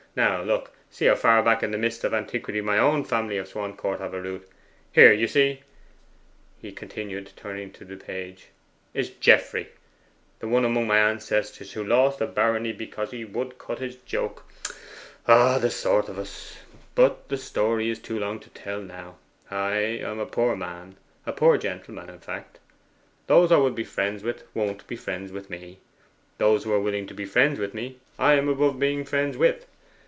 Now look see how far back in the mists of antiquity my own family of Swancourt have a root. Here, you see,' he continued, turning to the page, 'is Geoffrey, the one among my ancestors who lost a barony because he would cut his joke. Ah, it's the sort of us! But the story is too long to tell now. Ay, I'm a poor man a poor gentleman, in fact: those I would be friends with, won't be friends with me; those who are willing to be friends with me, I am above being friends with.